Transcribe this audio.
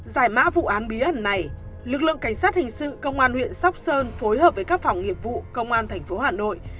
giải mã vụ án bí ẩn này lực lượng cảnh sát hình sự công an huyện sóc sơn phối hợp với các phòng nghiệp vụ công an tp hà nội